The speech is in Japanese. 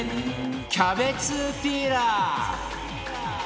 キャベツピーラー